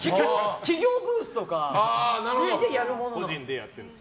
企業ブースとかでやるものなんです。